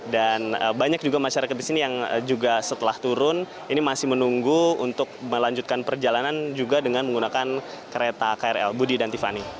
dan banyak juga masyarakat disini yang juga setelah turun ini masih menunggu untuk melanjutkan perjalanan juga dengan menggunakan kereta krl budi dan tiffany